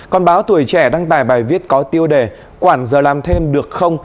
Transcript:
còn báo tuổi trẻ đăng tải bài viết có tiêu đề quản giờ làm thêm được không